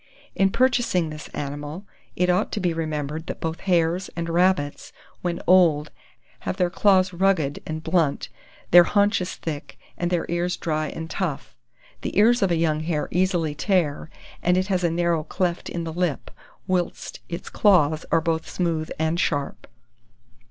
In purchasing this animal, it ought to be remembered that both hares and rabbits, when old, have their claws rugged and blunt, their haunches thick, and their ears dry and tough. The ears of a young hare easily tear, and it has a narrow cleft in the lip; whilst its claws are both smooth and sharp.